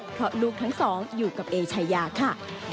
เพราะลูกทั้งสองอยู่กับเอชายาค่ะ